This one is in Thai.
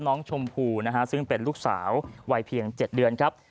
ชมพูนะฮะซึ่งเป็นลูกสาววัยเพียง๗เดือนครับ